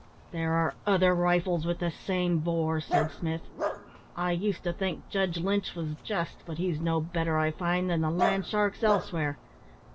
"There are other rifles with the same bore," said Smith. "I used to think Judge Lynch was just, but he's no better I find than the land sharks elsewhere.